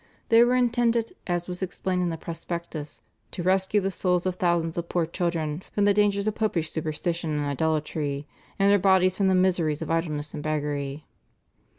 They were intended, as was explained in the prospectus, "to rescue the souls of thousands of poor children from the dangers of Popish superstition and idolatry, and their bodies from the miseries of idleness and beggary."